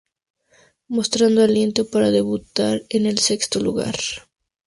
Mostrando aliento para debutar en el sexto lugar.